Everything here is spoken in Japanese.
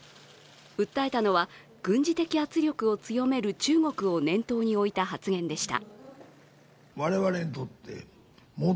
訴えたのは軍事的圧力を強める中国を念頭に置いた発言でした。